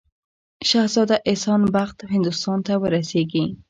شهزاده احسان بخت هندوستان ته ورسیږي.